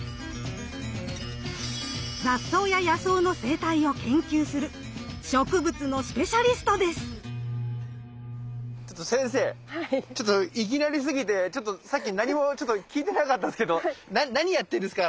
雑草や野草の生態を研究するちょっと先生ちょっといきなりすぎてさっき何も聞いてなかったんですけど何やってるんですか？